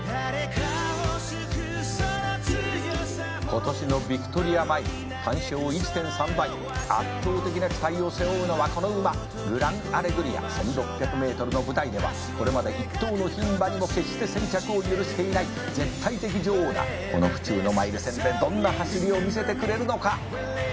「今年のヴィクトリアマイル単勝１．３倍圧倒的な期待を背負うのはこの馬グランアレグリア」「１，６００ｍの舞台ではこれまで一頭の牝馬にも決して先着を許していない絶対的女王がこの府中のマイル戦でどんな走りを見せてくれるのか」